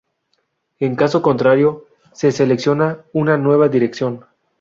En caso contrario, se selecciona una nueva dirección.